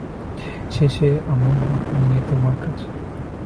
শেষে আমার মাকে নিয়েও তোমার কাছে আমার হার মানতে হল।